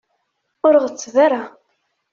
Ur ɣetteb ara.